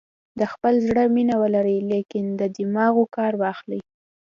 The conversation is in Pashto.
د خپل زړه مینه ولرئ لیکن له دماغو کار واخلئ.